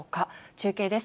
中継です。